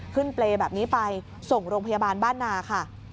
เปรย์แบบนี้ไปส่งโรงพยาบาลบ้านนาค่ะ